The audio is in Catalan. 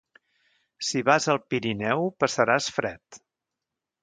Si vas al Pirineu passaràs fred.